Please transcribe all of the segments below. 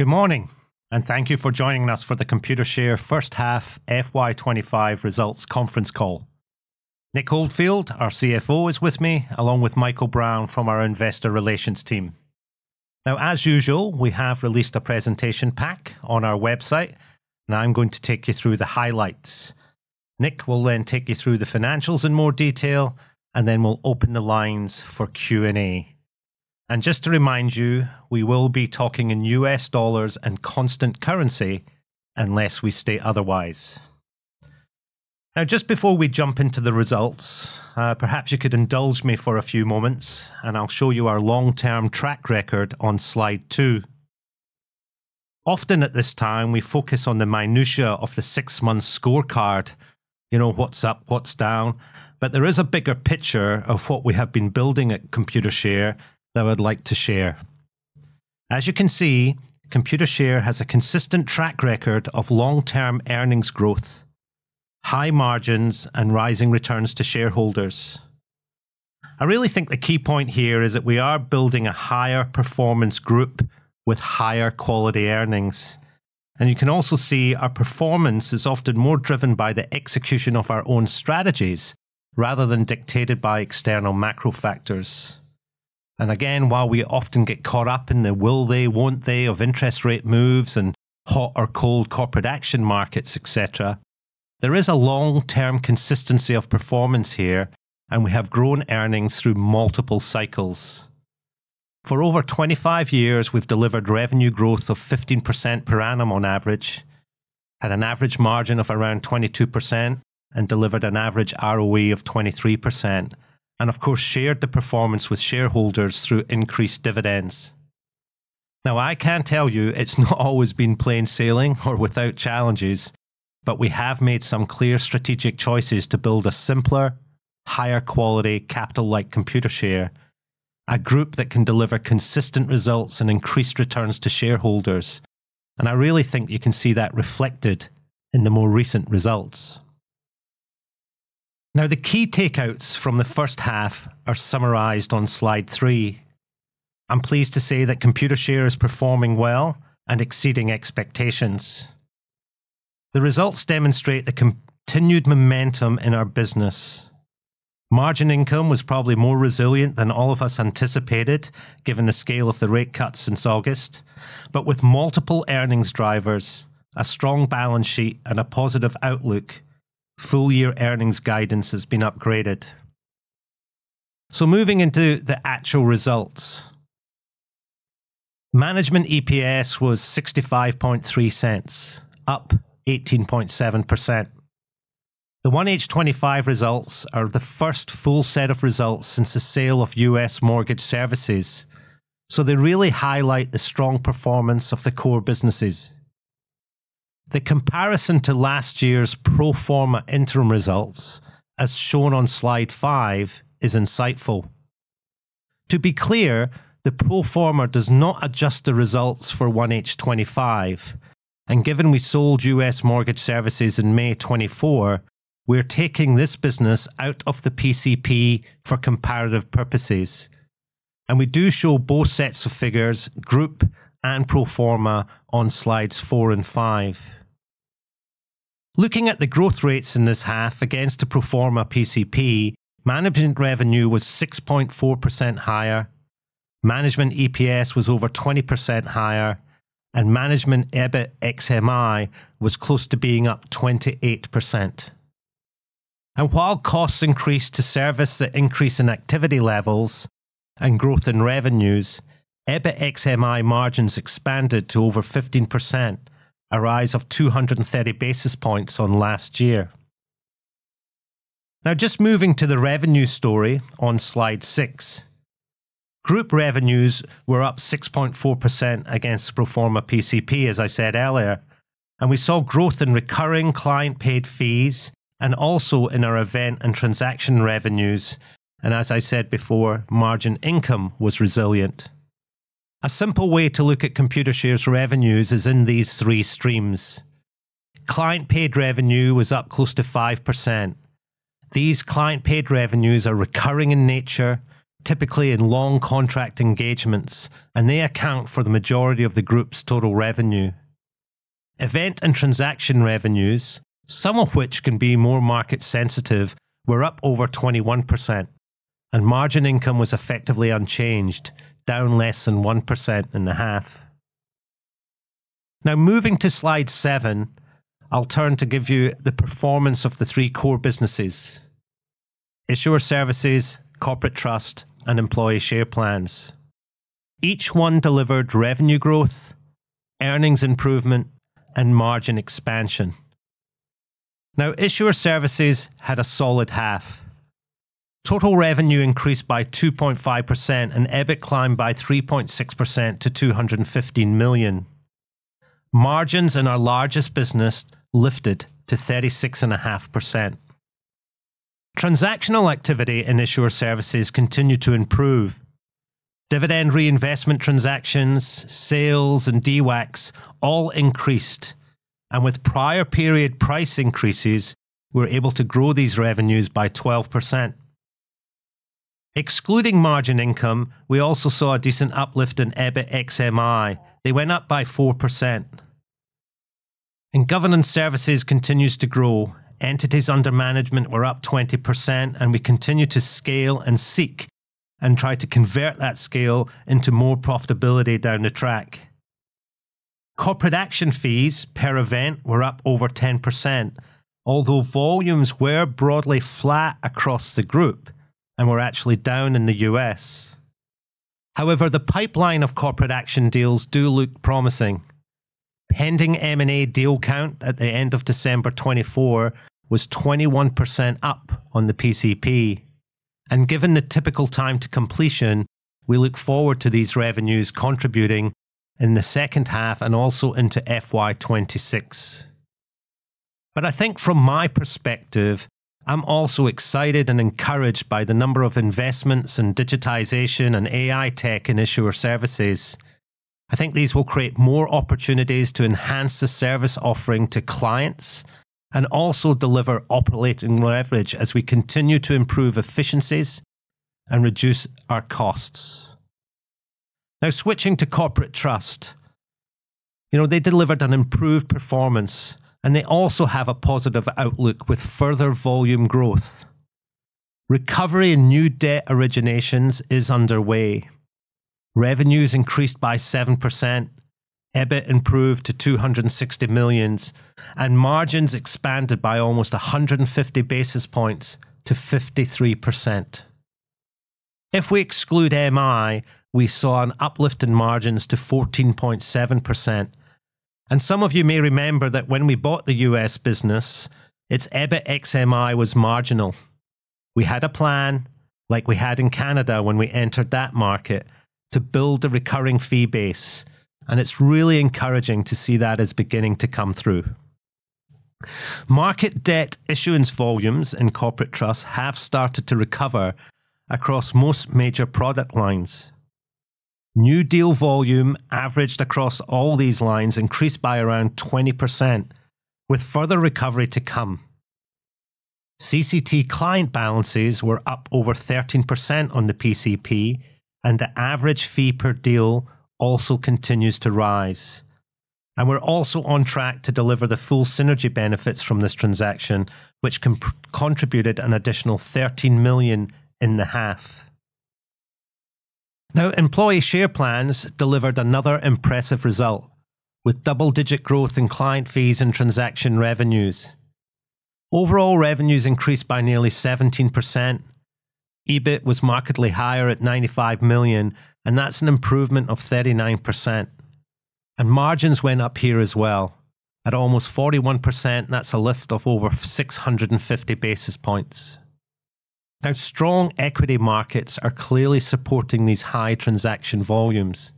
Good morning, and thank you for joining us for the Computershare First Half FY25 Results Conference Call. Nick Oldfield, our CFO, is with me, along with Michael Brown from our Investor Relations team. Now, as usual, we have released a presentation pack on our website, and I'm going to take you through the highlights. Nick will then take you through the financials in more detail, and then we'll open the lines for Q&A. And just to remind you, we will be talking in US dollars and constant currency unless we state otherwise. Now, just before we jump into the results, perhaps you could indulge me for a few moments, and I'll show you our long-term track record on slide two. Often at this time, we focus on the minutiae of the six-month scorecard - you know, what's up, what's down - but there is a bigger picture of what we have been building at Computershare that I'd like to share. As you can see, Computershare has a consistent track record of long-term earnings growth, high margins, and rising returns to shareholders. I really think the key point here is that we are building a higher performance group with higher quality earnings. And you can also see our performance is often more driven by the execution of our own strategies rather than dictated by external macro factors. And again, while we often get caught up in the will-they, won't-they of interest rate moves and hot or cold corporate action markets, etc., there is a long-term consistency of performance here, and we have grown earnings through multiple cycles. For over 25 years, we've delivered revenue growth of 15% per annum on average, had an average margin of around 22%, and delivered an average ROE of 23%, and of course shared the performance with shareholders through increased dividends. Now, I can tell you it's not always been plain sailing or without challenges, but we have made some clear strategic choices to build a simpler, higher quality capital-light Computershare, a group that can deliver consistent results and increased returns to shareholders. And I really think you can see that reflected in the more recent results. Now, the key takeouts from the first half are summarized on slide three. I'm pleased to say that Computershare is performing well and exceeding expectations. The results demonstrate the continued momentum in our business. Margin income was probably more resilient than all of us anticipated given the scale of the rate cuts since August, but with multiple earnings drivers, a strong balance sheet, and a positive outlook, full-year earnings guidance has been upgraded, so moving into the actual results. Management EPS was $0.653, up 18.7%. The 1H25 results are the first full set of results since the sale of U.S. Mortgage Services, so they really highlight the strong performance of the core businesses. The comparison to last year's pro forma interim results, as shown on slide five, is insightful. To be clear, the pro forma does not adjust the results for 1H25, and given we sold U.S. Mortgage Services in May 2024, we're taking this business out of the PCP for comparative purposes, and we do show both sets of figures, group and pro forma, on slides four and five. Looking at the growth rates in this half against the pro forma PCP, management revenue was 6.4% higher, management EPS was over 20% higher, and management EBIT ex MI was close to being up 28%. While costs increased to service the increase in activity levels and growth in revenues, EBIT ex MI margins expanded to over 15%, a rise of 230 basis points on last year. Now, just moving to the revenue story on slide six. Group revenues were up 6.4% against pro forma PCP, as I said earlier, and we saw growth in recurring client-paid fees and also in our event and transaction revenues. As I said before, margin income was resilient. A simple way to look at Computershare's revenues is in these three streams. Client-paid revenue was up close to 5%. These client-paid revenues are recurring in nature, typically in long contract engagements, and they account for the majority of the group's total revenue. Event and transaction revenues, some of which can be more market-sensitive, were up over 21%, and margin income was effectively unchanged, down less than 1% in the half. Now, moving to slide seven, I'll turn to give you the performance of the three core businesses: Issuer Services, Corporate Trust, and Employee Share Plans. Each one delivered revenue growth, earnings improvement, and margin expansion. Now, Issuer Services had a solid half. Total revenue increased by 2.5% and EBIT climbed by 3.6% to $215 million. Margins in our largest business lifted to 36.5%. Transactional activity in Issuer Services continued to improve. Dividend reinvestment transactions, sales, and DWACs all increased, and with prior period price increases, we were able to grow these revenues by 12%. Excluding margin income, we also saw a decent uplift in EBIT ex MI. They went up by 4%. Governance Services continues to grow. Entities under management were up 20%, and we continue to scale and seek and try to convert that scale into more profitability down the track. Corporate action fees per event were up over 10%, although volumes were broadly flat across the group and were actually down in the U.S. However, the pipeline of corporate action deals do look promising. Pending M&A deal count at the end of December 2024 was 21% up on the PCP. Given the typical time to completion, we look forward to these revenues contributing in the second half and also into FY26. I think from my perspective, I'm also excited and encouraged by the number of investments in digitization and AI tech in Issuer Services. I think these will create more opportunities to enhance the service offering to clients and also deliver operating leverage as we continue to improve efficiencies and reduce our costs. Now, switching to Corporate Trust, you know they delivered an improved performance, and they also have a positive outlook with further volume growth. Recovery in new debt originations is underway. Revenues increased by 7%, EBIT improved to $260 million, and margins expanded by almost 150 basis points to 53%. If we exclude MI, we saw an uplift in margins to 14.7%, and some of you may remember that when we bought the US business, its EBIT ex MI was marginal. We had a plan, like we had in Canada when we entered that market, to build a recurring fee base, and it's really encouraging to see that as beginning to come through. Market debt issuance volumes in Corporate Trust have started to recover across most major product lines. New deal volume averaged across all these lines increased by around 20%, with further recovery to come. CCT client balances were up over 13% on the PCP, and the average fee per deal also continues to rise, and we're also on track to deliver the full synergy benefits from this transaction, which contributed an additional $13 million in the half. Now, Employee Share Plans delivered another impressive result with double-digit growth in client fees and transaction revenues. Overall revenues increased by nearly 17%. EBIT was markedly higher at $95 million, and that's an improvement of 39%, and margins went up here as well. At almost 41%, that's a lift of over 650 basis points. Now, strong equity markets are clearly supporting these high transaction volumes,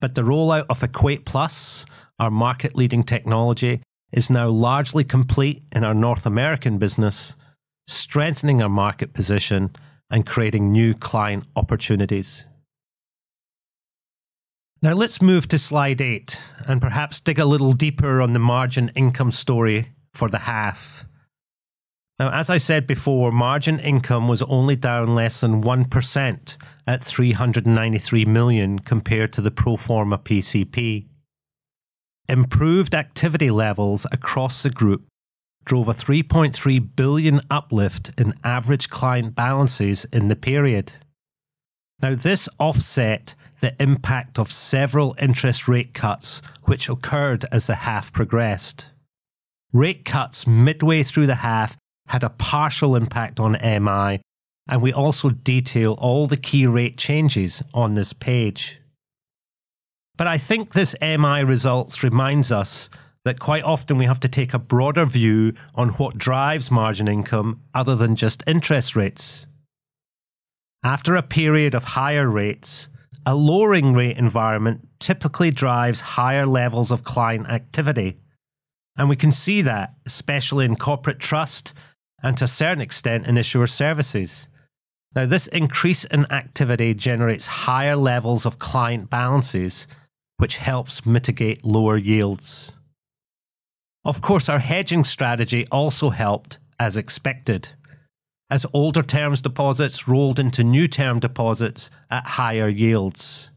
but the rollout of EquatePlus, our market-leading technology, is now largely complete in our North American business, strengthening our market position and creating new client opportunities. Now, let's move to slide eight and perhaps dig a little deeper on the margin income story for the half. Now, as I said before, margin income was only down less than 1% at $393 million compared to the pro forma PCP. Improved activity levels across the group drove a $3.3 billion uplift in average client balances in the period. Now, this offset the impact of several interest rate cuts, which occurred as the half progressed. Rate cuts midway through the half had a partial impact on MI, and we also detail all the key rate changes on this page. I think this MI results reminds us that quite often we have to take a broader view on what drives margin income other than just interest rates. After a period of higher rates, a lowering rate environment typically drives higher levels of client activity. We can see that, especially in Corporate Trust and to a certain extent in Issuer Services. Now, this increase in activity generates higher levels of client balances, which helps mitigate lower yields. Of course, our hedging strategy also helped, as expected, as older term deposits rolled into new term deposits at higher yields.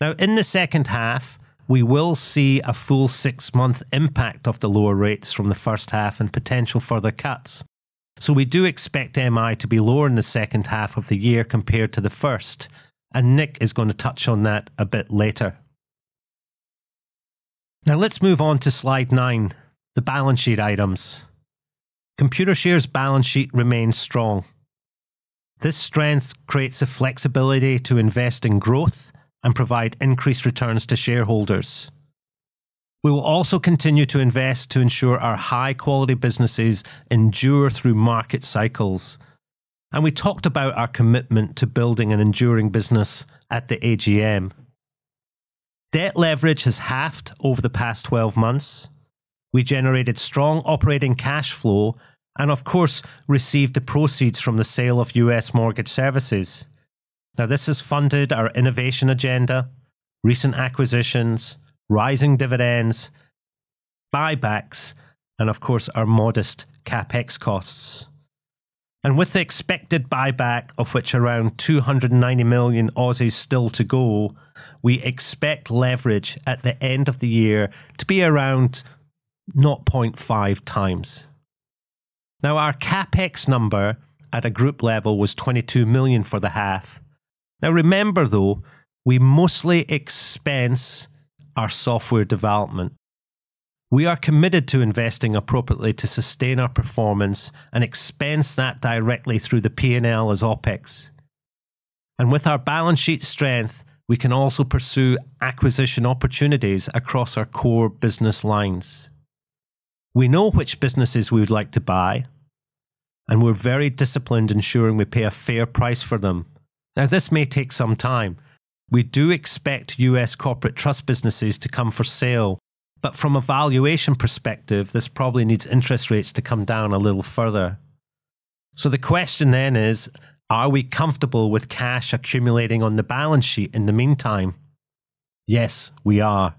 Now, in the second half, we will see a full six-month impact of the lower rates from the first half and potential further cuts. So we do expect MI to be lower in the second half of the year compared to the first, and Nick is going to touch on that a bit later. Now, let's move on to slide nine, the balance sheet items. Computershare's balance sheet remains strong. This strength creates a flexibility to invest in growth and provide increased returns to shareholders. We will also continue to invest to ensure our high-quality businesses endure through market cycles. And we talked about our commitment to building an enduring business at the AGM. Debt leverage has halved over the past 12 months. We generated strong operating cash flow and, of course, received the proceeds from the sale of US Mortgage Services. Now, this has funded our innovation agenda, recent acquisitions, rising dividends, buybacks, and, of course, our modest CapEx costs. With the expected buyback, of which around 290 million is still to go, we expect leverage at the end of the year to be around 0.5 times. Now, our CapEx number at a group level was $22 million for the half. Now, remember though, we mostly expense our software development. We are committed to investing appropriately to sustain our performance and expense that directly through the P&L as OpEx. With our balance sheet strength, we can also pursue acquisition opportunities across our core business lines. We know which businesses we would like to buy, and we're very disciplined in ensuring we pay a fair price for them. Now, this may take some time. We do expect US Corporate Trust businesses to come for sale, but from a valuation perspective, this probably needs interest rates to come down a little further. So the question then is, are we comfortable with cash accumulating on the balance sheet in the meantime? Yes, we are.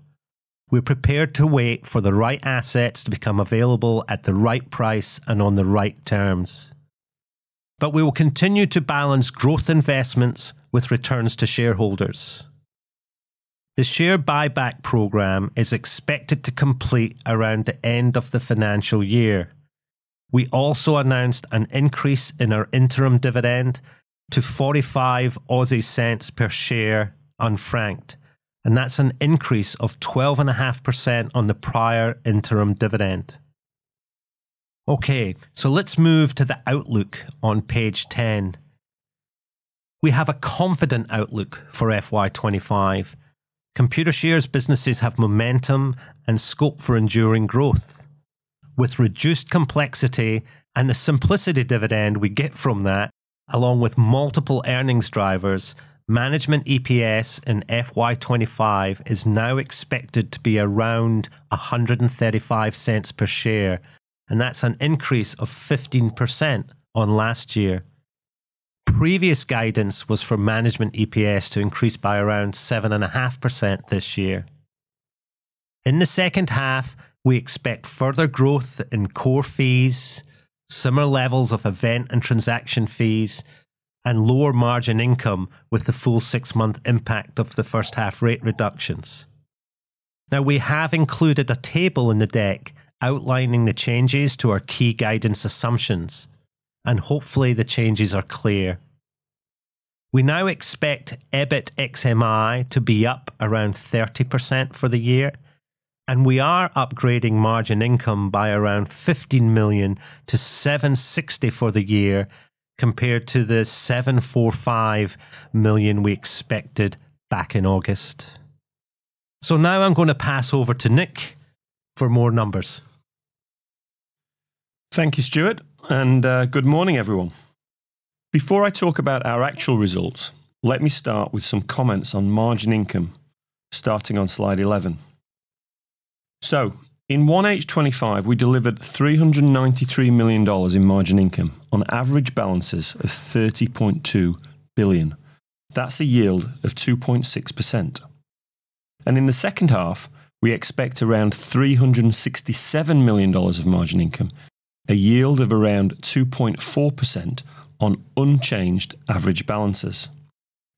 We're prepared to wait for the right assets to become available at the right price and on the right terms. But we will continue to balance growth investments with returns to shareholders. The share buyback program is expected to complete around the end of the financial year. We also announced an increase in our interim dividend to 0.45 per share unfranked, and that's an increase of 12.5% on the prior interim dividend. Okay, so let's move to the outlook on page 10. We have a confident outlook for FY25. Computershare's businesses have momentum and scope for enduring growth. With reduced complexity and the simplicity dividend we get from that, along with multiple earnings drivers, management EPS in FY25 is now expected to be around $1.35 per share, and that's an increase of 15% on last year. Previous guidance was for management EPS to increase by around 7.5% this year. In the second half, we expect further growth in core fees, similar levels of event and transaction fees, and lower margin income with the full six-month impact of the first half rate reductions. Now, we have included a table in the deck outlining the changes to our key guidance assumptions, and hopefully the changes are clear. We now expect EBIT ex MI to be up around 30% for the year, and we are upgrading margin income by around $15 million to $760 million for the year compared to the $745 million we expected back in August. Now I'm going to pass over to Nick for more numbers. Thank you, Stuart, and good morning, everyone. Before I talk about our actual results, let me start with some comments on margin income, starting on slide 11. In 1H25, we delivered $393 million in margin income on average balances of $30.2 billion. That's a yield of 2.6%. In the second half, we expect around $367 million of margin income, a yield of around 2.4% on unchanged average balances.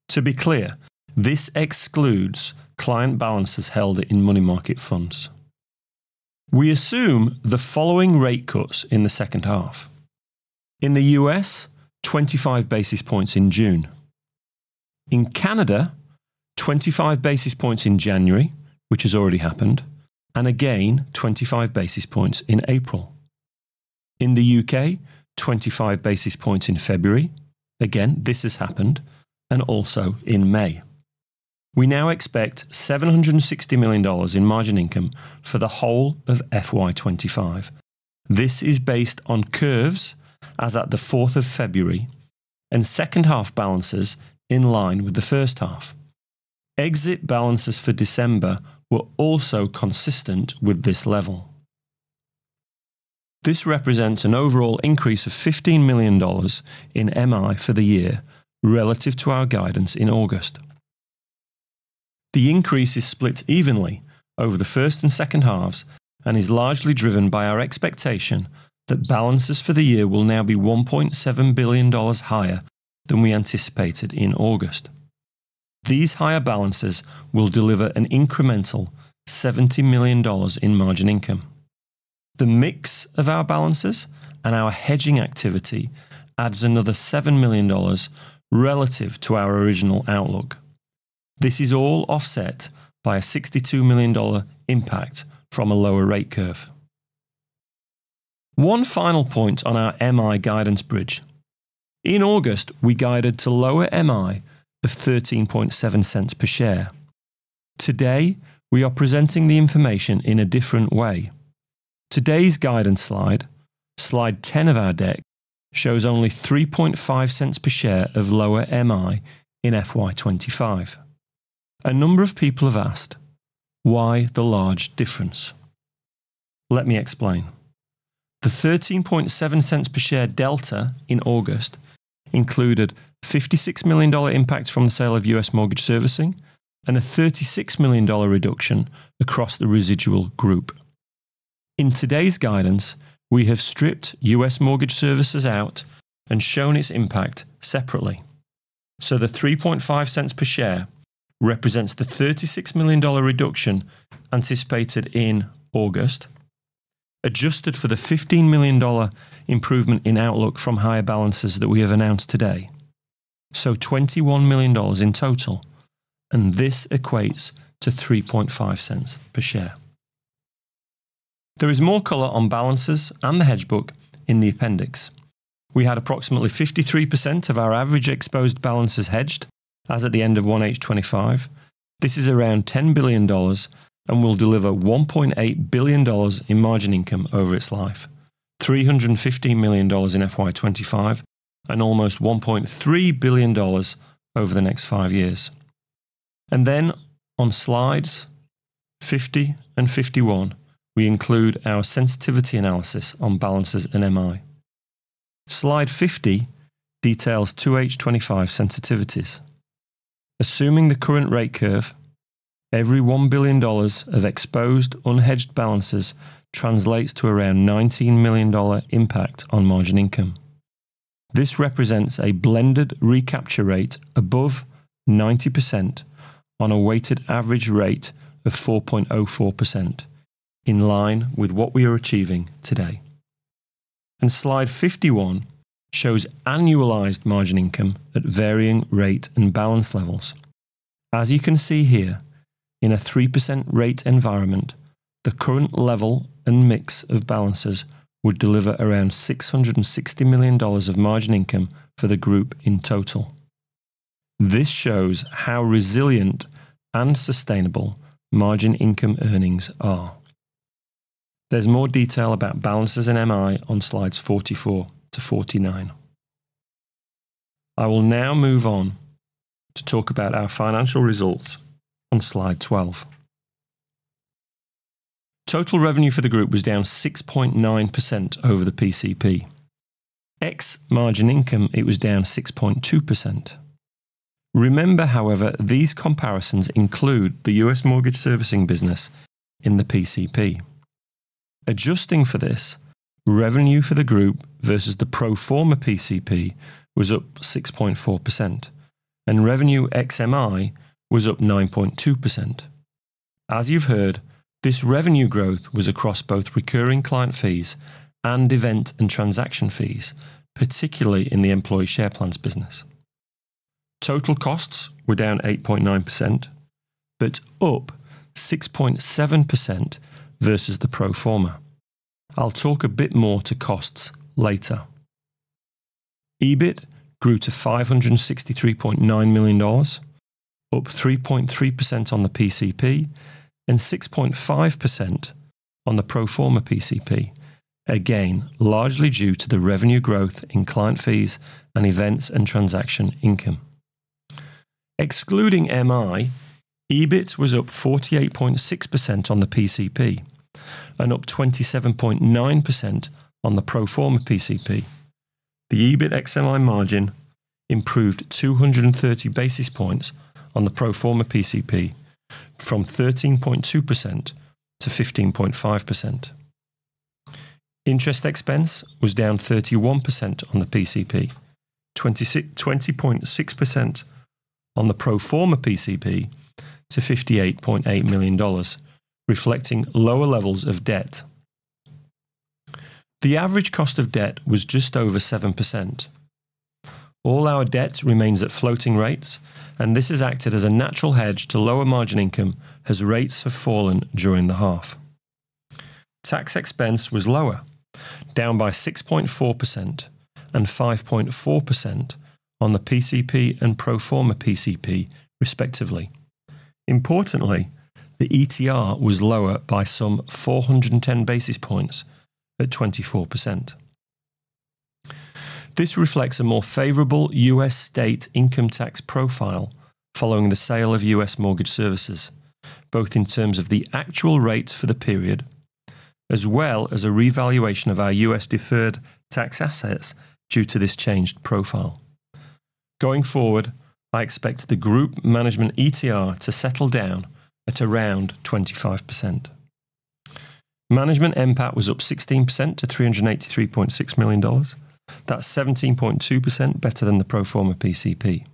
To be clear, this excludes client balances held in money market funds. We assume the following rate cuts in the second half. In the U.S., 25 basis points in June. In Canada, 25 basis points in January, which has already happened, and again, 25 basis points in April. In the U.K., 25 basis points in February. Again, this has happened, and also in May. We now expect $760 million in margin income for the whole of FY25. This is based on curves as at the 4th of February and second half balances in line with the first half. Exit balances for December were also consistent with this level. This represents an overall increase of $15 million in MI for the year relative to our guidance in August. The increase is split evenly over the first and second halves and is largely driven by our expectation that balances for the year will now be $1.7 billion higher than we anticipated in August. These higher balances will deliver an incremental $70 million in margin income. The mix of our balances and our hedging activity adds another $7 million relative to our original outlook. This is all offset by a $62 million impact from a lower rate curve. One final point on our MI guidance bridge. In August, we guided to lower MI of 13.7 cents per share. Today, we are presenting the information in a different way. Today's guidance slide, slide 10 of our deck, shows only 3.5 cents per share of lower MI in FY25. A number of people have asked, why the large difference? Let me explain. The 13.7 cents per share delta in August included a $56 million impact from the sale of US Mortgage Services and a $36 million reduction across the residual group. In today's guidance, we have stripped US Mortgage Services out and shown its impact separately. So the 3.5 cents per share represents the $36 million reduction anticipated in August, adjusted for the $15 million improvement in outlook from higher balances that we have announced today. So $21 million in total, and this equates to 3.5 cents per share. There is more color on balances and the hedge book in the appendix. We had approximately 53% of our average exposed balances hedged, as at the end of 1H25. This is around $10 billion and will deliver $1.8 billion in margin income over its life, $315 million in FY25, and almost $1.3 billion over the next five years. And then on slides 50 and 51, we include our sensitivity analysis on balances and MI. Slide 50 details 2H25 sensitivities. Assuming the current rate curve, every $1 billion of exposed unhedged balances translates to around $19 million impact on margin income. This represents a blended recapture rate above 90% on a weighted average rate of 4.04%, in line with what we are achieving today. And slide 51 shows annualized margin income at varying rate and balance levels. As you can see here, in a 3% rate environment, the current level and mix of balances would deliver around $660 million of margin income for the group in total. This shows how resilient and sustainable margin income earnings are. There's more detail about balances and MI on slides 44 to 49. I will now move on to talk about our financial results on slide 12. Total revenue for the group was down 6.9% over the PCP. Ex margin income, it was down 6.2%. Remember, however, these comparisons include the U.S. mortgage servicing business in the PCP. Adjusting for this, revenue for the group versus the pro forma PCP was up 6.4%, and revenue XMI was up 9.2%. As you've heard, this revenue growth was across both recurring client fees and event and transaction fees, particularly in the employee share plans business. Total costs were down 8.9%, but up 6.7% versus the pro forma. I'll talk a bit more to costs later. EBIT grew to $563.9 million, up 3.3% on the PCP, and 6.5% on the pro forma PCP, again, largely due to the revenue growth in client fees and events and transaction income. Excluding MI, EBIT was up 48.6% on the PCP, and up 27.9% on the pro forma PCP. The EBIT ex MI margin improved 230 basis points on the pro forma PCP from 13.2% to 15.5%. Interest expense was down 31% on the PCP, 20.6% on the pro forma PCP to $58.8 million, reflecting lower levels of debt. The average cost of debt was just over 7%. All our debt remains at floating rates, and this has acted as a natural hedge to lower margin income as rates have fallen during the half. Tax expense was lower, down by 6.4% and 5.4% on the PCP and pro forma PCP, respectively. Importantly, the ETR was lower by some 410 basis points at 24%. This reflects a more favorable U.S. state income tax profile following the sale of U.S. mortgage services, both in terms of the actual rates for the period, as well as a revaluation of our U.S. deferred tax assets due to this changed profile. Going forward, I expect the group management ETR to settle down at around 25%. Management MPAT was up 16% to $383.6 million. That's 17.2% better than the pro forma PCP.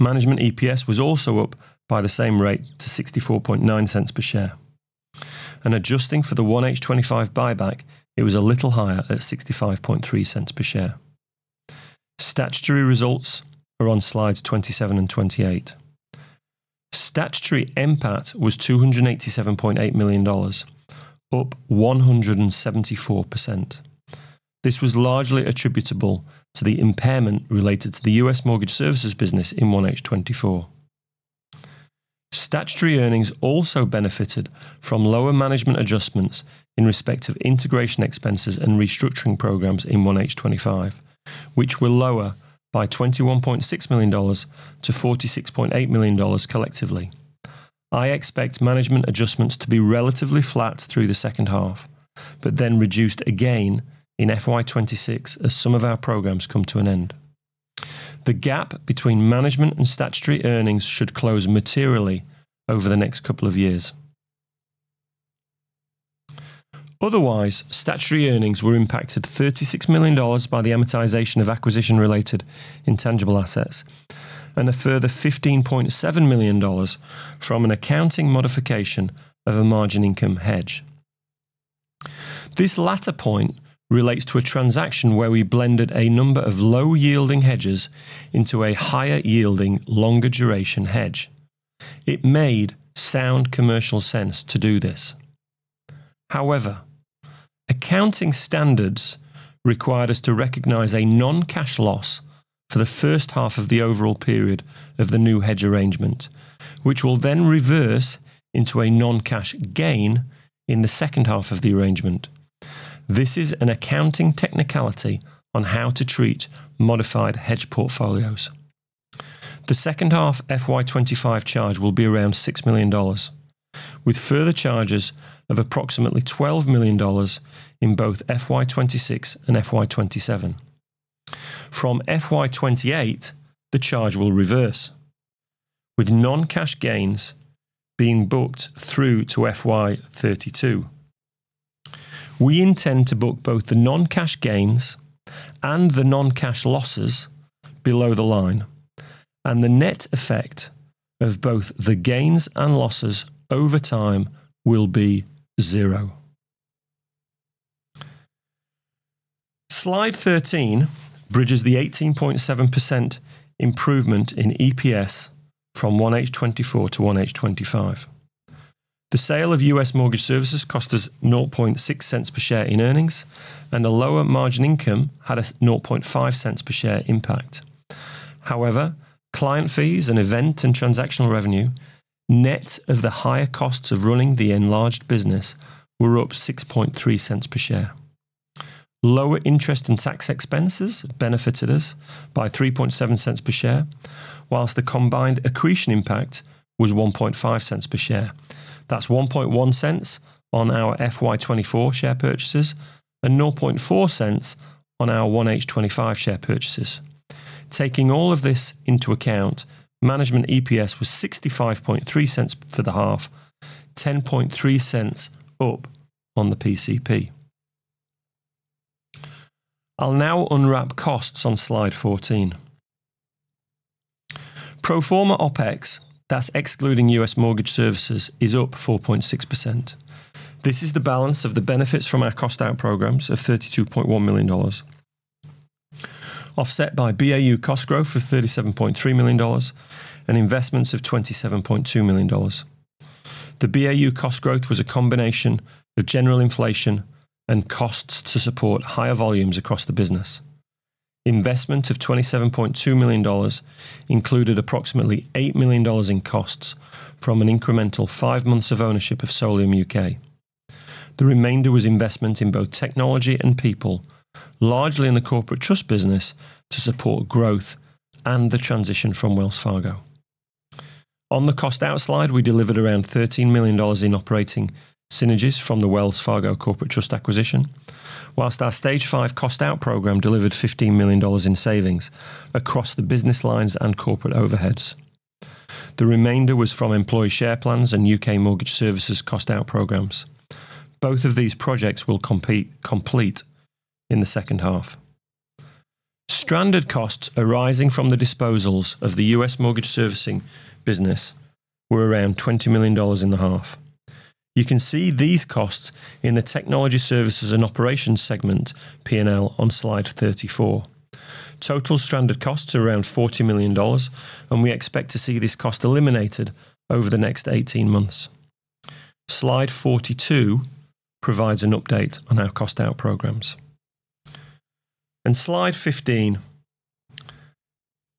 Management EPS was also up by the same rate to $0.649 per share, and adjusting for the 1H25 buyback, it was a little higher at $0.653 per share. Statutory results are on slides 27 and 28. Statutory MPAT was $287.8 million, up 174%. This was largely attributable to the impairment related to the US Mortgage Services business in 1H24. Statutory earnings also benefited from lower management adjustments in respect of integration expenses and restructuring programs in 1H25, which were lower by $21.6 million to $46.8 million collectively. I expect management adjustments to be relatively flat through the second half, but then reduced again in FY26 as some of our programs come to an end. The gap between management and statutory earnings should close materially over the next couple of years. Otherwise, statutory earnings were impacted $36 million by the amortization of acquisition-related intangible assets, and a further $15.7 million from an accounting modification of a margin income hedge. This latter point relates to a transaction where we blended a number of low-yielding hedges into a higher-yielding, longer-duration hedge. It made sound commercial sense to do this. However, accounting standards required us to recognize a non-cash loss for the first half of the overall period of the new hedge arrangement, which will then reverse into a non-cash gain in the second half of the arrangement. This is an accounting technicality on how to treat modified hedge portfolios. The second half FY25 charge will be around $6 million, with further charges of approximately $12 million in both FY26 and FY27. From FY28, the charge will reverse, with non-cash gains being booked through to FY32. We intend to book both the non-cash gains and the non-cash losses below the line, and the net effect of both the gains and losses over time will be zero. Slide 13 bridges the 18.7% improvement in EPS from 1H24 to 1H25. The sale of US Mortgage Services cost us 0.006 per share in earnings, and a lower margin income had a 0.005 per share impact. However, client fees and event and transactional revenue, net of the higher costs of running the enlarged business, were up 0.063 per share. Lower interest and tax expenses benefited us by 0.037 per share, while the combined accretion impact was 0.015 per share. That's 0.011 on our FY24 share purchases and 0.004 on our 1H25 share purchases. Taking all of this into account, management EPS was 0.653 for the half, 0.103 up on the PCP. I'll now unwrap costs on slide 14. Pro forma OpEx, that's excluding US Mortgage Services, is up 4.6%. This is the balance of the benefits from our cost-out programs of $32.1 million, offset by BAU cost growth of $37.3 million and investments of $27.2 million. The BAU cost growth was a combination of general inflation and costs to support higher volumes across the business. Investment of $27.2 million included approximately $8 million in costs from an incremental five months of ownership of Solium UK. The remainder was investment in both technology and people, largely in the corporate trust business to support growth and the transition from Wells Fargo. On the cost-out slide, we delivered around $13 million in operating synergies from the Wells Fargo corporate trust acquisition, while our Stage 5 cost-out program delivered $15 million in savings across the business lines and corporate overheads. The remainder was from employee share plans and UK mortgage services cost-out programs. Both of these projects will complete in the second half. Stranded costs arising from the disposals of the U.S. mortgage servicing business were around $20 million in the half. You can see these costs in the Technology Services and Operations segment, P&L, on slide 34. Total stranded costs are around $40 million, and we expect to see this cost eliminated over the next 18 months. Slide 42 provides an update on our cost-out programs. Slide 15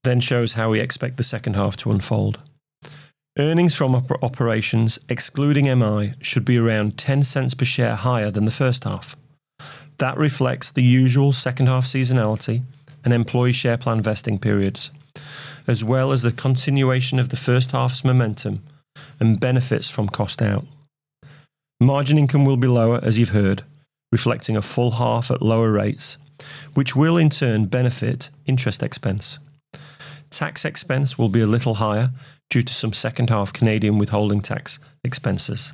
then shows how we expect the second half to unfold. Earnings from operations, excluding MI, should be around $0.10 per share higher than the first half. That reflects the usual second half seasonality and employee share plan vesting periods, as well as the continuation of the first half's momentum and benefits from cost-out. Margin income will be lower, as you've heard, reflecting a full half at lower rates, which will in turn benefit interest expense. Tax expense will be a little higher due to some second half Canadian withholding tax expenses,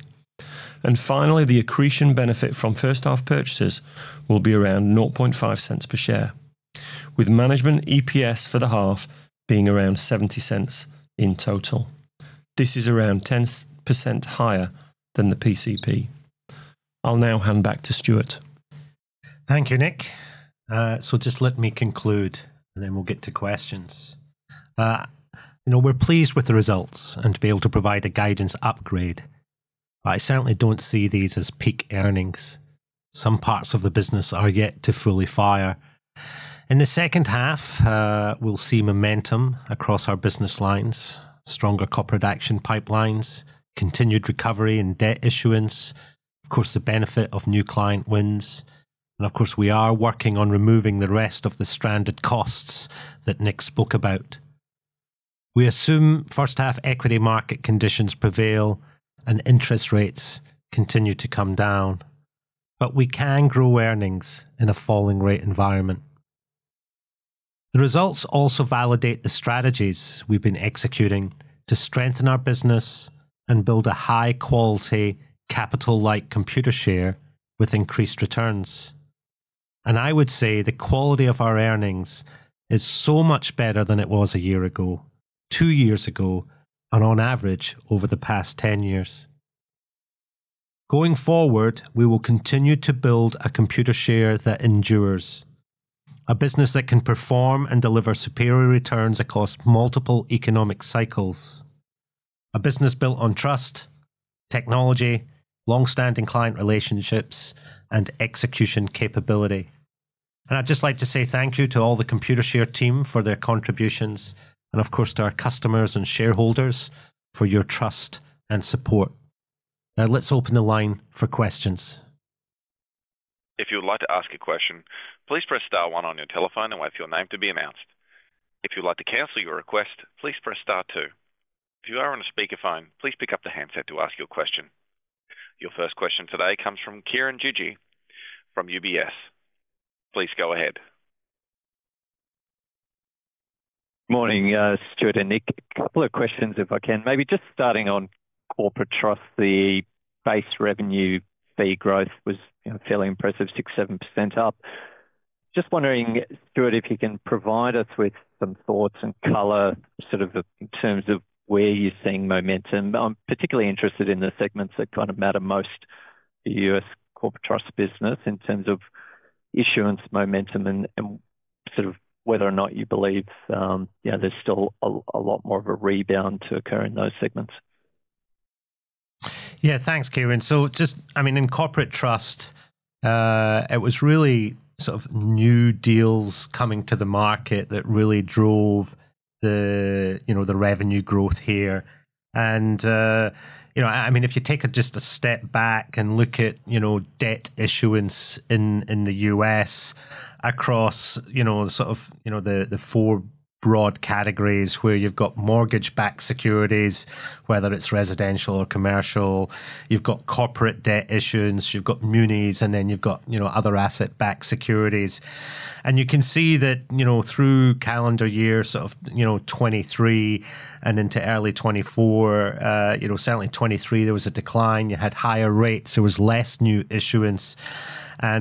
and finally, the accretion benefit from first half purchases will be around $0.005 per share, with management EPS for the half being around $0.70 in total. This is around 10% higher than the PCP. I'll now hand back to Stuart. Thank you, Nick, so just let me conclude, and then we'll get to questions. We're pleased with the results and to be able to provide a guidance upgrade. I certainly don't see these as peak earnings. Some parts of the business are yet to fully fire. In the second half, we'll see momentum across our business lines, stronger coproduction pipelines, continued recovery in debt issuance, of course, the benefit of new client wins, and of course, we are working on removing the rest of the stranded costs that Nick spoke about. We assume first half equity market conditions prevail and interest rates continue to come down, but we can grow earnings in a falling rate environment. The results also validate the strategies we've been executing to strengthen our business and build a high-quality capital-light Computershare with increased returns, and I would say the quality of our earnings is so much better than it was a year ago, two years ago, and on average over the past 10 years. Going forward, we will continue to build a Computershare that endures, a business that can perform and deliver superior returns across multiple economic cycles, a business built on trust, technology, long-standing client relationships, and execution capability. And I'd just like to say thank you to all the Computershare team for their contributions, and of course, to our customers and shareholders for your trust and support. Now, let's open the line for questions. If you would like to ask a question, please press star one on your telephone and wait for your name to be announced. If you would like to cancel your request, please press star two. If you are on a speakerphone, please pick up the handset to ask your question. Your first question today comes from Kieran Chidgey from UBS. Please go ahead. Morning, Stuart and Nick. A couple of questions, if I can. Maybe just starting on Corporate Trust, the base revenue fee growth was fairly impressive, 6-7% up. Just wondering, Stuart, if you can provide us with some thoughts and color, sort of in terms of where you're seeing momentum. I'm particularly interested in the segments that kind of matter most for U.S. Corporate Trust business in terms of issuance momentum and sort of whether or not you believe there's still a lot more of a rebound to occur in those segments. Yeah, thanks, Kieran. So just, I mean, in Corporate Trust, it was really sort of new deals coming to the market that really drove the revenue growth here. I mean, if you take just a step back and look at debt issuance in the U.S. across sort of the four broad categories where you've got mortgage-backed securities, whether it's residential or commercial, you've got corporate debt issuance, you've got munis, and then you've got other asset-backed securities. You can see that through calendar year sort of 2023 and into early 2024, certainly 2023, there was a decline. You had higher rates. There was less new issuance.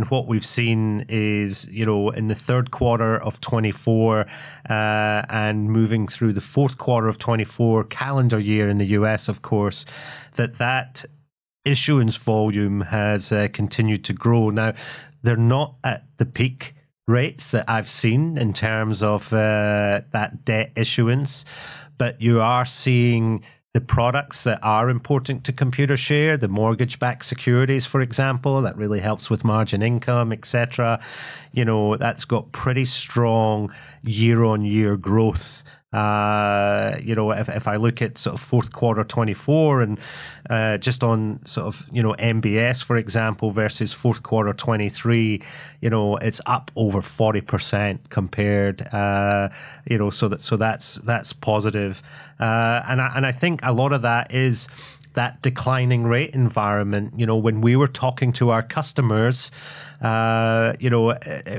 What we've seen is in the third quarter of 2024 and moving through the fourth quarter of 2024 calendar year in the U.S., of course, that that issuance volume has continued to grow. Now, they're not at the peak rates that I've seen in terms of that debt issuance, but you are seeing the products that are important to Computershare, the mortgage-backed securities, for example, that really helps with margin income, etc. That's got pretty strong year-on-year growth. If I look at sort of fourth quarter 2024 and just on sort of MBS, for example, versus fourth quarter 2023, it's up over 40% compared. So that's positive. And I think a lot of that is that declining rate environment. When we were talking to our customers, it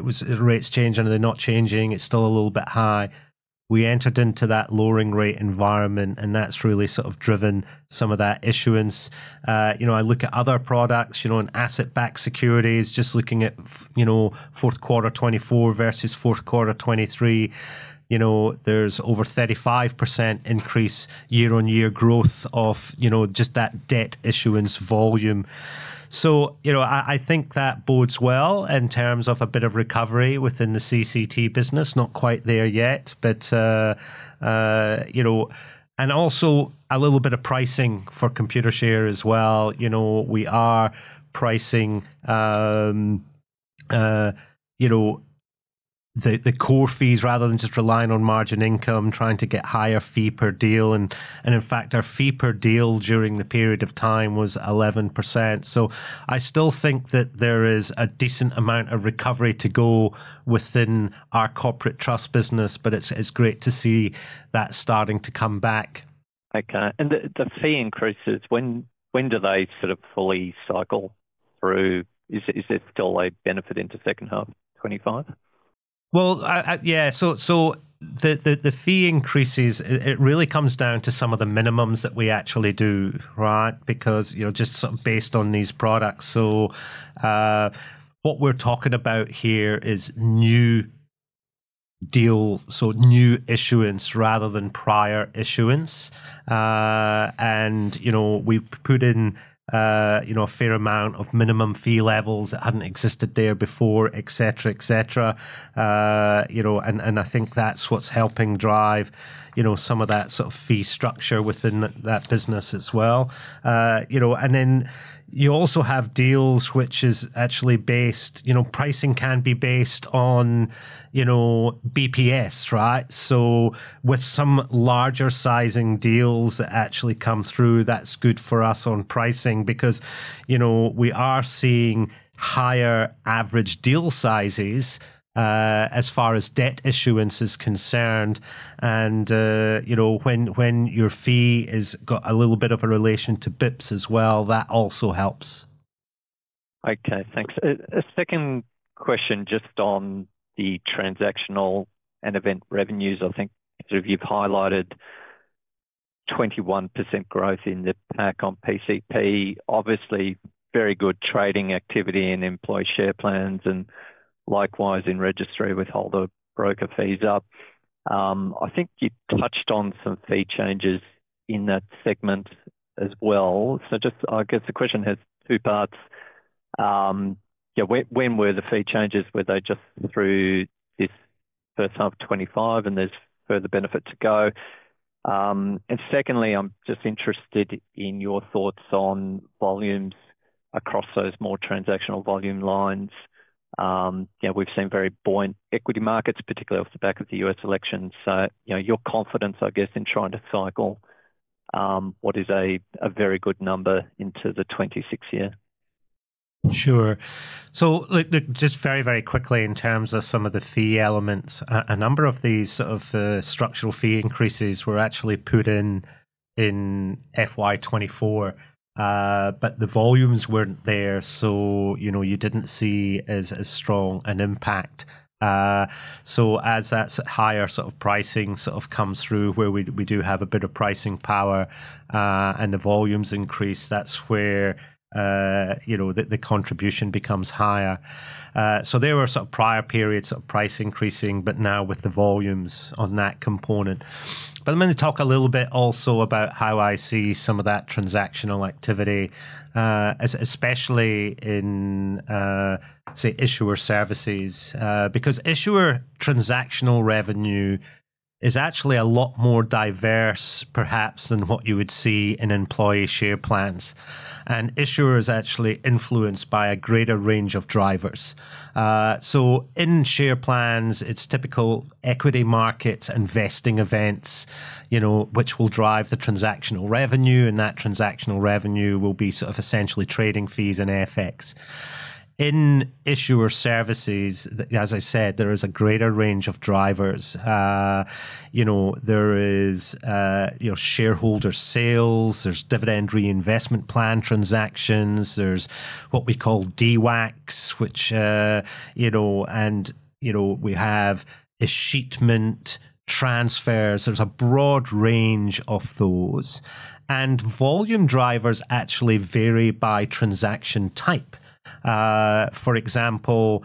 was rates changing and they're not changing. It's still a little bit high. We entered into that lowering rate environment, and that's really sort of driven some of that issuance. I look at other products and asset-backed securities, just looking at fourth quarter 2024 versus fourth quarter 2023. There's over 35% increase year-on-year growth of just that debt issuance volume. So I think that bodes well in terms of a bit of recovery within the CCT business, not quite there yet, but and also a little bit of pricing for Computershare as well. We are pricing the core fees rather than just relying on margin income, trying to get higher fee per deal. And in fact, our fee per deal during the period of time was 11%. So I still think that there is a decent amount of recovery to go within our corporate trust business, but it's great to see that starting to come back. Okay. And the fee increases, when do they sort of fully cycle through? Is there still a benefit into second half 2025? Well, yeah. So the fee increases, it really comes down to some of the minimums that we actually do, right, because just sort of based on these products. So what we're talking about here is new deal, so new issuance rather than prior issuance. And we've put in a fair amount of minimum fee levels that hadn't existed there before, etc., etc. And I think that's what's helping drive some of that sort of fee structure within that business as well. And then you also have deals which is actually based pricing can be based on basis points, right? So with some larger sizing deals that actually come through, that's good for us on pricing because we are seeing higher average deal sizes as far as debt issuance is concerned. And when your fee has got a little bit of a relation to basis points as well, that also helps. Okay. Thanks. A second question just on the transactional and event revenues. I think sort of you've highlighted 21% growth in the ASPAC on PCP, obviously very good trading activity in employee share plans and likewise in registry withholding broker fees up. I think you touched on some fee changes in that segment as well. So just I guess the question has two parts. Yeah, when were the fee changes? Were they just through this first half of 2025 and there's further benefit to go? And secondly, I'm just interested in your thoughts on volumes across those more transactional volume lines. We've seen very buoyant equity markets, particularly off the back of the U.S. election. So your confidence, I guess, in trying to cycle what is a very good number into the 2026 year. Sure. So just very, very quickly in terms of some of the fee elements, a number of these sort of structural fee increases were actually put in FY24, but the volumes weren't there, so you didn't see as strong an impact. So as that higher sort of pricing sort of comes through, where we do have a bit of pricing power and the volumes increase, that's where the contribution becomes higher. So there were sort of prior periods of price increasing, but now with the volumes on that component. But I'm going to talk a little bit also about how I see some of that transactional activity, especially in, say, issuer services, because issuer transactional revenue is actually a lot more diverse, perhaps, than what you would see in employee share plans. And issuers are actually influenced by a greater range of drivers. So in share plans, it's typical equity markets and vesting events, which will drive the transactional revenue, and that transactional revenue will be sort of essentially trading fees and FX. In issuer services, as I said, there is a greater range of drivers. There is shareholder sales, there's dividend reinvestment plan transactions, there's what we call DWACs, and we have escheatment transfers. There's a broad range of those. And volume drivers actually vary by transaction type. For example,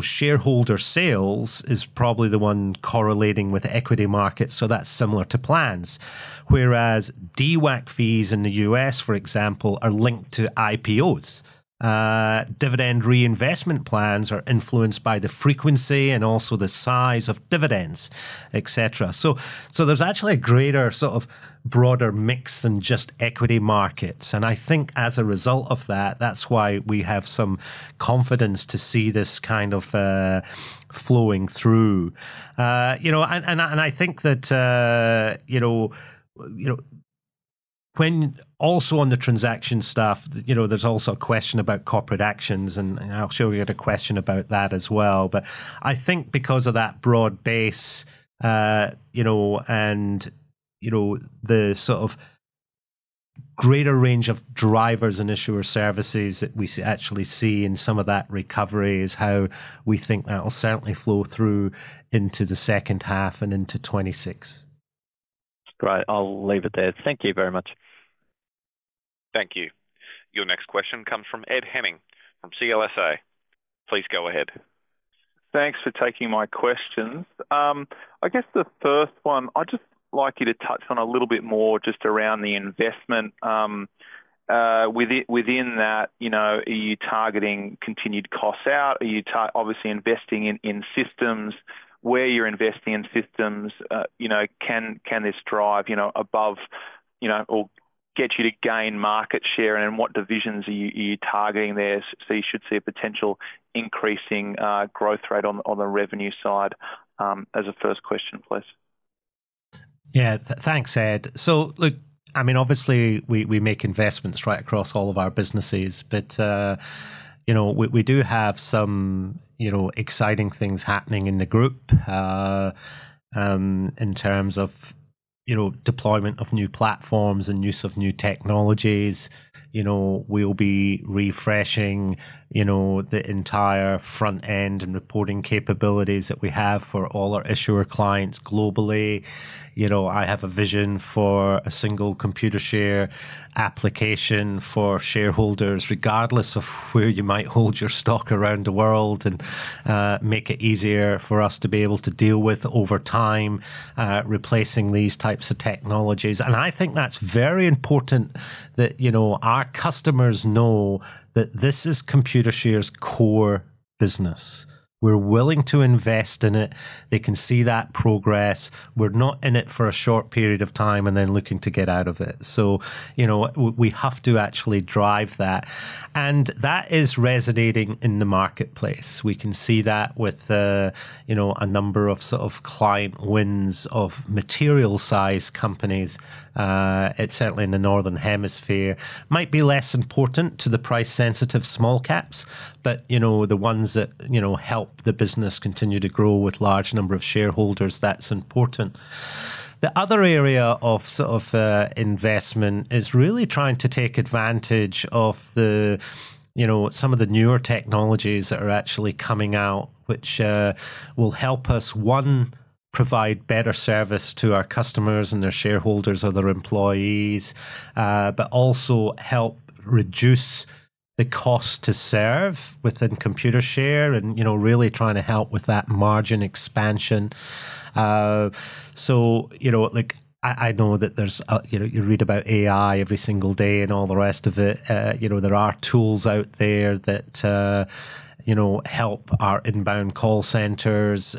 shareholder sales is probably the one correlating with equity markets, so that's similar to plans. Whereas DWACs fees in the U.S., for example, are linked to IPOs. Dividend reinvestment plans are influenced by the frequency and also the size of dividends, etc. So there's actually a greater sort of broader mix than just equity markets. And I think as a result of that, that's why we have some confidence to see this kind of flowing through. And I think that when also on the transaction stuff, there's also a question about corporate actions, and I'll show you a question about that as well. But I think because of that broad base and the sort of greater range of drivers and issuer services that we actually see in some of that recovery is how we think that will certainly flow through into the second half and into 2026. Right. I'll leave it there. Thank you very much. Thank you. Your next question comes from Ed Henning from CLSA. Please go ahead. Thanks for taking my questions. I guess the first one, I'd just like you to touch on a little bit more just around the investment. Within that, are you targeting continued costs out? Are you obviously investing in systems? Where you're investing in systems, can this drive above or get you to gain market share? And in what divisions are you targeting there so you should see a potential increasing growth rate on the revenue side? As a first question, please. Yeah. Thanks, Ed. So look, I mean, obviously, we make investments right across all of our businesses, but we do have some exciting things happening in the group in terms of deployment of new platforms and use of new technologies. We'll be refreshing the entire front-end and reporting capabilities that we have for all our issuer clients globally. I have a vision for a single Computershare application for shareholders, regardless of where you might hold your stock around the world, and make it easier for us to be able to deal with over time replacing these types of technologies. I think that's very important that our customers know that this is Computershare's core business. We're willing to invest in it. They can see that progress. We're not in it for a short period of time and then looking to get out of it. So we have to actually drive that. And that is resonating in the marketplace. We can see that with a number of sort of client wins of material-sized companies. It's certainly in the northern hemisphere. Might be less important to the price-sensitive small caps, but the ones that help the business continue to grow with a large number of shareholders, that's important. The other area of sort of investment is really trying to take advantage of some of the newer technologies that are actually coming out, which will help us, one, provide better service to our customers and their shareholders or their employees, but also help reduce the cost to serve within Computershare and really trying to help with that margin expansion. So I know that you read about AI every single day and all the rest of it. There are tools out there that help our inbound call centers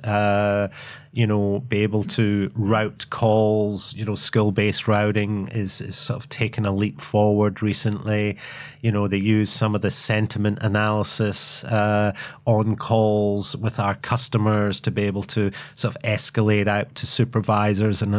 be able to route calls. Skill-based routing is sort of taking a leap forward recently. They use some of the sentiment analysis on calls with our customers to be able to sort of escalate out to supervisors and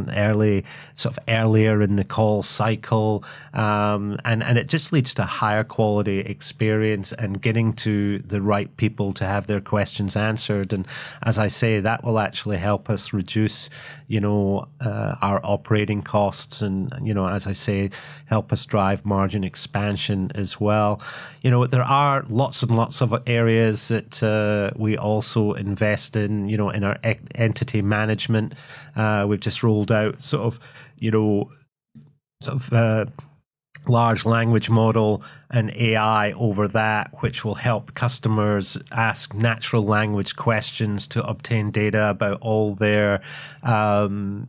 sort of earlier in the call cycle. And it just leads to a higher quality experience and getting to the right people to have their questions answered. And as I say, that will actually help us reduce our operating costs and, as I say, help us drive margin expansion as well. There are lots and lots of areas that we also invest in in our entity management. We've just rolled out sort of large language model and AI over that, which will help customers ask natural language questions to obtain data about all their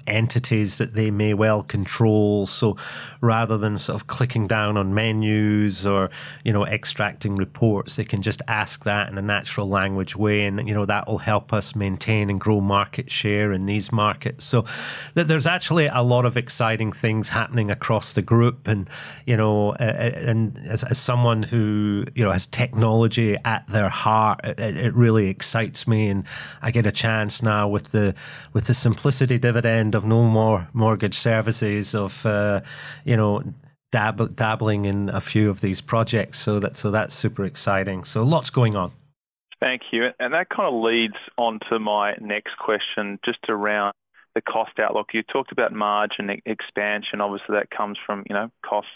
entities that they may well control. So rather than sort of clicking down on menus or extracting reports, they can just ask that in a natural language way. And that will help us maintain and grow market share in these markets. So there's actually a lot of exciting things happening across the group. And as someone who has technology at their heart, it really excites me. And I get a chance now with the simplicity dividend of no more mortgage services of dabbling in a few of these projects. So that's super exciting. So lots going on. Thank you. And that kind of leads on to my next question just around the cost outlook. You talked about margin expansion. Obviously, that comes from costs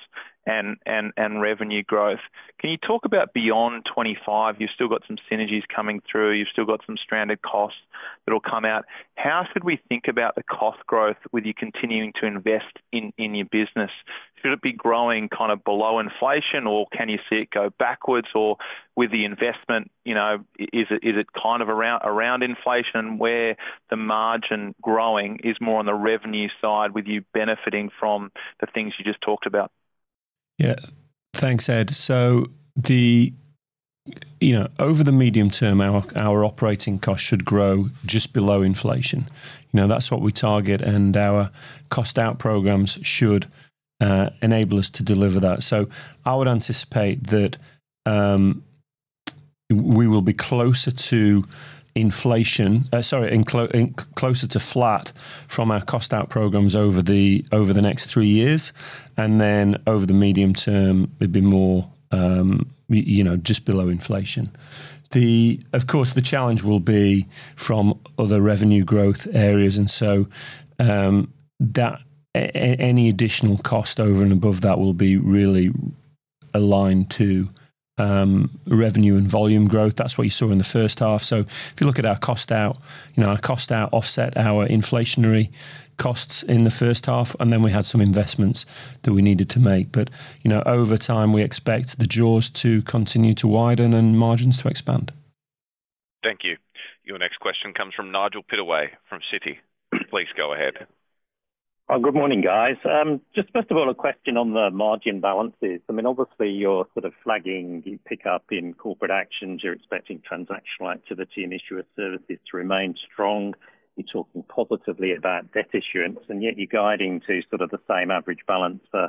and revenue growth. Can you talk about beyond 25? You've still got some synergies coming through. You've still got some stranded costs that will come out. How should we think about the cost growth with you continuing to invest in your business? Should it be growing kind of below inflation, or can you see it go backwards? Or with the investment, is it kind of around inflation where the margin growing is more on the revenue side with you benefiting from the things you just talked about? Yeah. Thanks, Ed. So over the medium term, our operating costs should grow just below inflation. That's what we target. And our cost-out programs should enable us to deliver that. So I would anticipate that we will be closer to inflation, sorry, closer to flat from our cost-out programs over the next three years. And then over the medium term, it'd be more just below inflation. Of course, the challenge will be from other revenue growth areas. And so any additional cost over and above that will be really aligned to revenue and volume growth. That's what you saw in the first half. So if you look at our cost-out, our cost-out offset our inflationary costs in the first half, and then we had some investments that we needed to make. But over time, we expect the jaws to continue to widen and margins to expand. Thank you. Your next question comes from Nigel Pittaway from Citi. Please go ahead. Good morning, guys. Just first of all, a question on the margin balances. I mean, obviously, you're sort of flagging a pick up in corporate actions. You're expecting transactional activity in issuer services to remain strong. You're talking positively about debt issuance, and yet you're guiding to sort of the same average balance for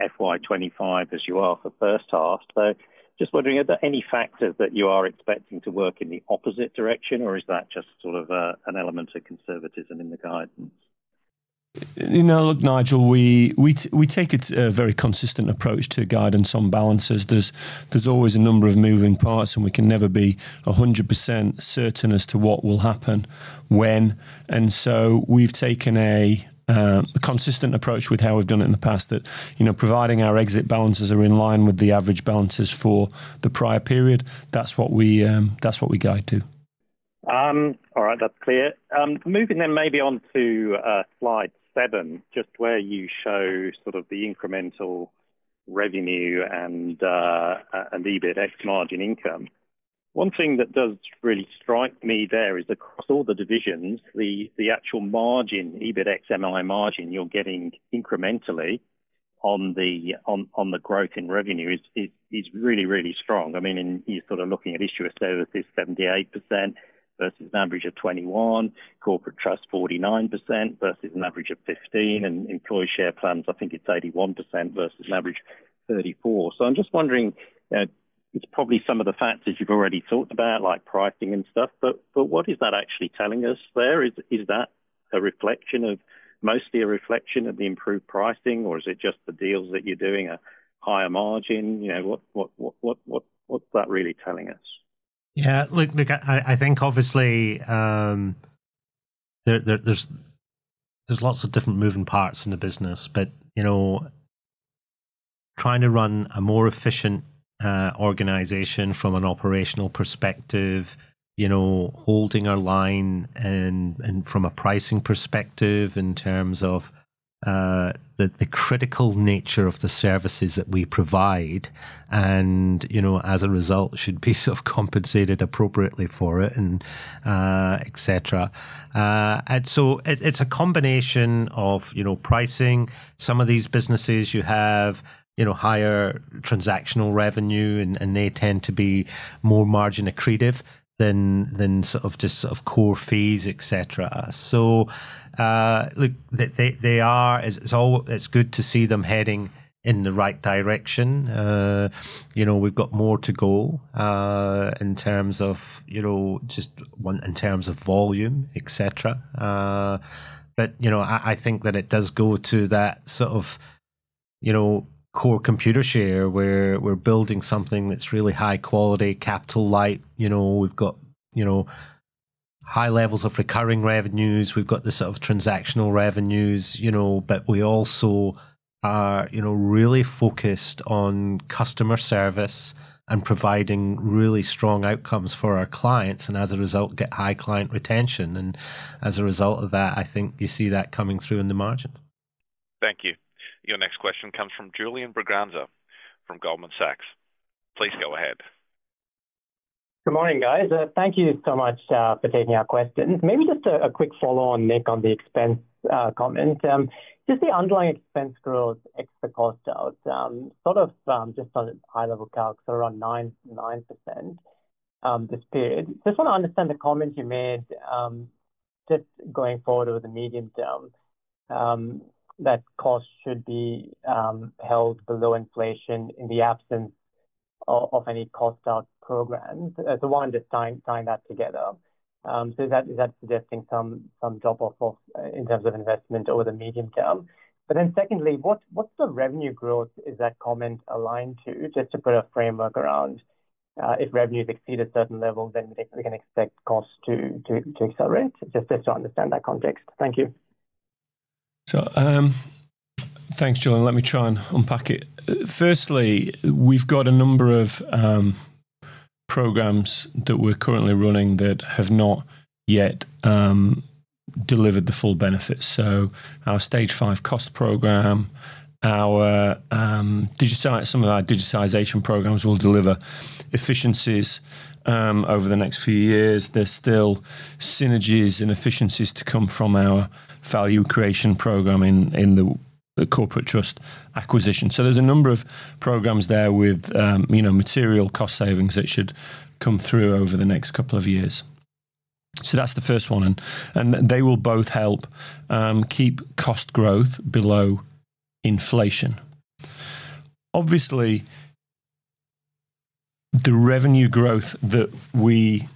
FY25 as you are for first half. So just wondering, are there any factors that you are expecting to work in the opposite direction, or is that just sort of an element of conservatism in the guidance? Look, Nigel, we take a very consistent approach to guidance on balances. There's always a number of moving parts, and we can never be 100% certain as to what will happen when. And so we've taken a consistent approach with how we've done it in the past that providing our exit balances are in line with the average balances for the prior period, that's what we guide to. All right. That's clear. Moving then maybe on to slide seven, just where you show sort of the incremental revenue and EBIT ex MI margin income. One thing that does really strike me there is across all the divisions, the actual margin, EBIT ex MI margin you're getting incrementally on the growth in revenue is really, really strong. I mean, you're sort of looking at issuer services, 78% versus an average of 21%, corporate trust, 49% versus an average of 15%, and employee share plans, I think it's 81% versus an average of 34%. So I'm just wondering, it's probably some of the factors you've already talked about, like pricing and stuff, but what is that actually telling us there? Is that a reflection of mostly a reflection of the improved pricing, or is it just the deals that you're doing a higher margin? What's that really telling us? Yeah. Look, I think obviously there's lots of different moving parts in the business, but trying to run a more efficient organization from an operational perspective, holding our line from a pricing perspective in terms of the critical nature of the services that we provide, and as a result, should be sort of compensated appropriately for it, etc. It's a combination of pricing. Some of these businesses, you have higher transactional revenue, and they tend to be more margin accretive than sort of just sort of core fees, etc. So look, it's good to see them heading in the right direction. We've got more to go in terms of just in terms of volume, etc. But I think that it does go to that sort of core Computershare where we're building something that's really high quality, capital-light. We've got high levels of recurring revenues. We've got the sort of transactional revenues, but we also are really focused on customer service and providing really strong outcomes for our clients. And as a result, get high client retention. And as a result of that, I think you see that coming through in the margins. Thank you. Your next question comes from Julian Braganza from Goldman Sachs. Please go ahead. Good morning, guys. Thank you so much for taking our questions. Maybe just a quick follow-on, Nick, on the expense comment. Just the underlying expense growth, extra cost out, sort of just on a high-level calc, so around 9% this period. Just want to understand the comments you made just going forward over the medium term that cost should be held below inflation in the absence of any cost-out programs. So one is tying that together. So is that suggesting some drop-off in terms of investment over the medium term? But then secondly, what's the revenue growth is that comment aligned to? Just to put a framework around if revenues exceed a certain level, then we can expect costs to accelerate. Just to understand that context. Thank you. Thanks, Julian. Let me try and unpack it. Firstly, we've got a number of programs that we're currently running that have not yet delivered the full benefits. So our Stage 5 cost program, some of our digitization programs will deliver efficiencies over the next few years. There's still synergies and efficiencies to come from our value creation program in the corporate trust acquisition. So there's a number of programs there with material cost savings that should come through over the next couple of years. So that's the first one. And they will both help keep cost growth below inflation. Obviously, the revenue growth that we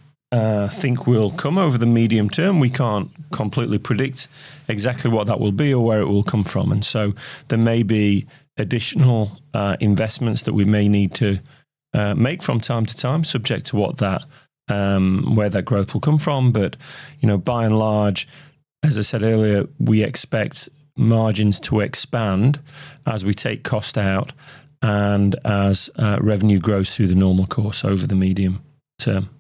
think will come over the medium term, we can't completely predict exactly what that will be or where it will come from. And so there may be additional investments that we may need to make from time to time, subject to where that growth will come from. But by and large, as I said earlier, we expect margins to expand as we take cost out and as revenue grows through the normal course over the medium term.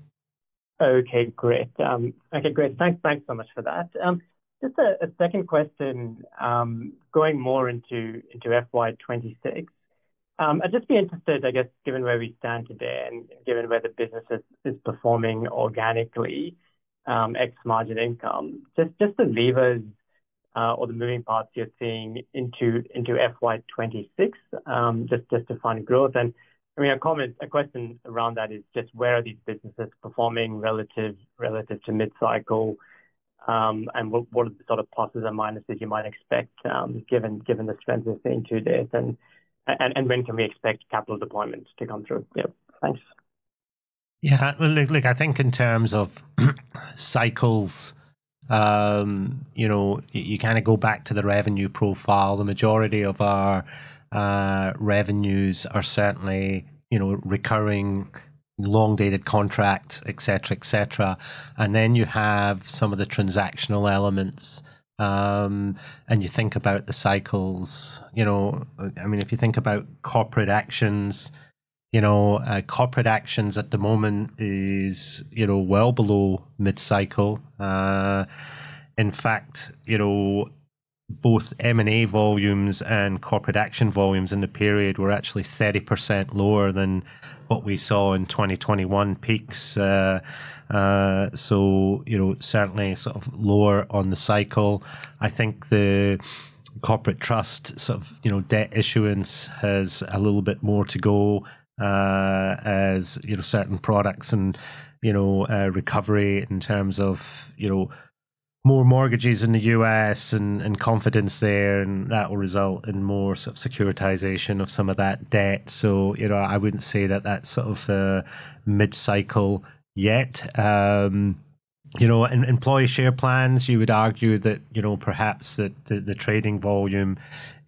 Okay. Great. Okay. Great. Thanks so much for that. Just a second question, going more into FY26. I'd just be interested, I guess, given where we stand today and given where the business is performing organically, ex-margin income, just the levers or the moving parts you're seeing into FY26 just to find growth. And I mean, a question around that is just where are these businesses performing relative to mid-cycle and what are the sort of pluses and minuses you might expect given the strength we've seen to this? And when can we expect capital deployment to come through? Yeah. Thanks. Yeah. Look, I think in terms of cycles, you kind of go back to the revenue profile. The majority of our revenues are certainly recurring, long-dated contracts, etc., etc. And then you have some of the transactional elements. And you think about the cycles. I mean, if you think about corporate actions, corporate actions at the moment is well below mid-cycle. In fact, both M&A volumes and corporate action volumes in the period were actually 30% lower than what we saw in 2021 peaks. So certainly sort of lower on the cycle. I think the corporate trust sort of debt issuance has a little bit more to go as certain products and recovery in terms of more mortgages in the US and confidence there, and that will result in more sort of securitization of some of that debt. So I wouldn't say that that's sort of mid-cycle yet. Employee share plans, you would argue that perhaps the trading volume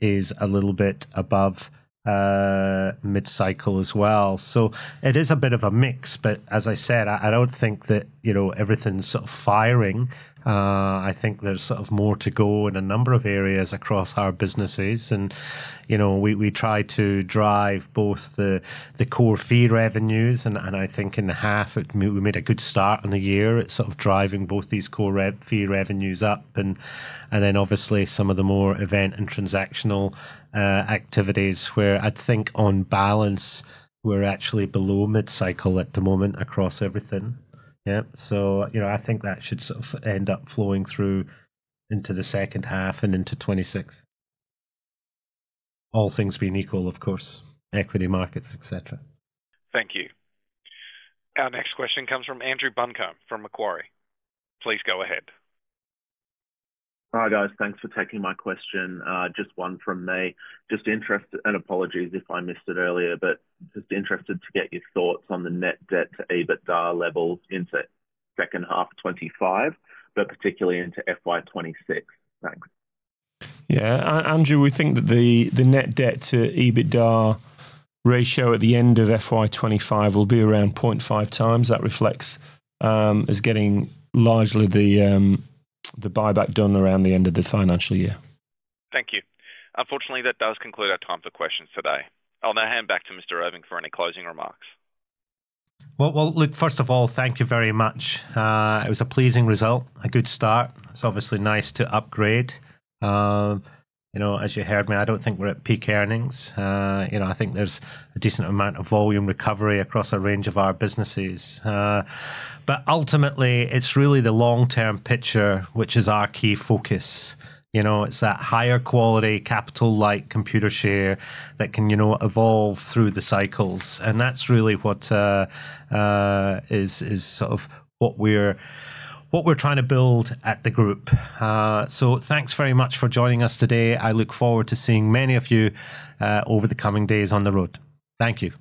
is a little bit above mid-cycle as well. So it is a bit of a mix. But as I said, I don't think that everything's sort of firing. I think there's sort of more to go in a number of areas across our businesses. And we try to drive both the core fee revenues. And I think in the half, we made a good start in the year at sort of driving both these core fee revenues up. And then obviously, some of the more event and transactional activities where I'd think on balance, we're actually below mid-cycle at the moment across everything. Yeah. So I think that should sort of end up flowing through into the second half and into 2026, all things being equal, of course, equity markets, etc. Thank you. Our next question comes from Andrew Buncombe from Macquarie. Please go ahead. Hi, guys. Thanks for taking my question. Just one from me. Just interested and apologies if I missed it earlier, but just interested to get your thoughts on the net debt to EBITDA levels into second half 2025, but particularly into FY 2026. Thanks. Yeah. Andrew, we think that the net debt to EBITDA ratio at the end of FY 2025 will be around 0.5 times. That reflects as getting largely the buyback done around the end of the financial year. Thank you. Unfortunately, that does conclude our time for questions today. I'll now hand back to Mr. Irving for any closing remarks. Well, look, first of all, thank you very much. It was a pleasing result, a good start. It's obviously nice to upgrade. As you heard me, I don't think we're at peak earnings. I think there's a decent amount of volume recovery across a range of our businesses. But ultimately, it's really the long-term picture, which is our key focus. It's that higher quality capital-light Computershare that can evolve through the cycles, and that's really what we're sort of trying to build at the group. Thanks very much for joining us today. I look forward to seeing many of you over the coming days on the road. Thank you.